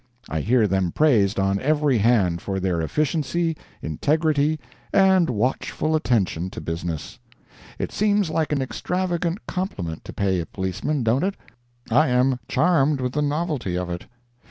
I hear them praised on every hand for their efficiency, integrity and watchful attention to business. It seems like an extravagant compliment to pay a policeman, don't it? I am charmed with the novelty of it.